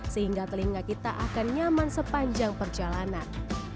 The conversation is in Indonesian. sehingga telinga kita akan nyaman sepanjang perjalanan